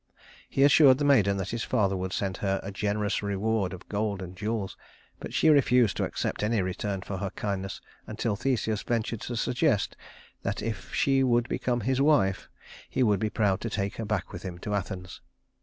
He assured the maiden that his father would send her a generous reward of gold and jewels; but she refused to accept any return for her kindness until Theseus ventured to suggest that if she would become his wife, he would be proud to take her back with him to Athens.